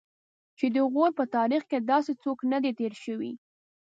چې د غور په تاریخ کې داسې څوک نه دی تېر شوی.